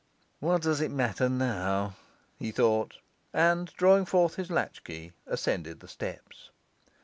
'What does it matter now?' he thought, and drawing forth his latchkey ascended the steps.